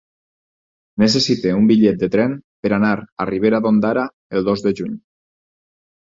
Necessito un bitllet de tren per anar a Ribera d'Ondara el dos de juny.